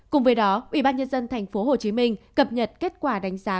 cùng với đó ubnd tp hcm cập nhật kết quả đánh giá